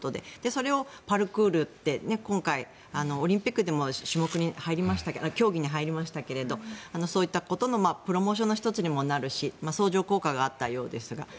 それをパルクールって今回、オリンピックでも競技に入りましたけれどそういったことのプロモーションの１つにもなるし相乗効果があったようですが。